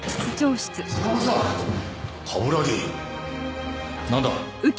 冠城なんだ？